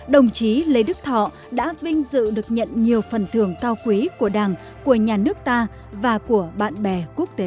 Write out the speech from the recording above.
đồng chí lê đức thọ đã vinh dự được nhận nhiều phần thưởng cao quý của đảng của nhà nước ta và của bạn bè quốc tế